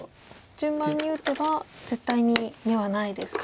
順番に打てば絶対に眼はないですか。